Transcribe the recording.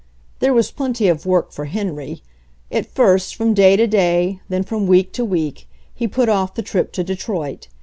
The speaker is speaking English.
There was plenty of work for Henry. At first from day to day, then from week to week, he put off the trip to Detroit.